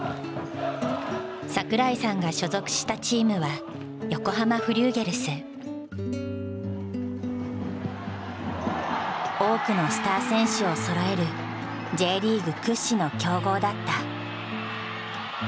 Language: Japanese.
桜井さんが所属したチームは多くのスター選手をそろえるＪリーグ屈指の強豪だった。